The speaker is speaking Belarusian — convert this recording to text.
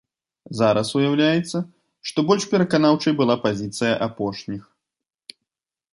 Зараз уяўляецца, што больш пераканаўчай была пазіцыя апошніх.